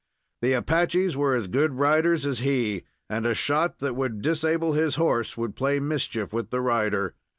The Apaches were as good riders as he, and a shot that would disable his horse would play mischief with the rider.